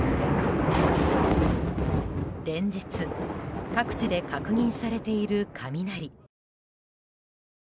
連日、各地で確認されている雷。